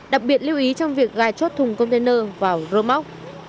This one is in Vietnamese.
đặc biệt lưu ý trong việc gà chốt thùng container vào rơ móc